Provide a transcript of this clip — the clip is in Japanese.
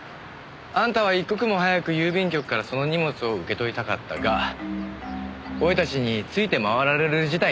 あんたは一刻も早く郵便局からその荷物を受け取りたかったが俺たちについて回られる事態になってしまった。